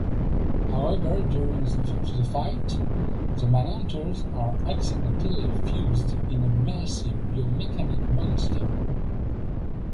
However, during the fight, the Manhunters are accidentally fused in a massive bio-mechanic monster.